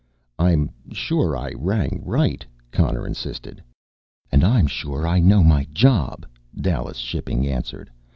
"I'm sure I rang right," Connor insisted. "And I'm sure I know my job," Dallas Shipping answered.